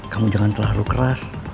kamu jangan terlalu keras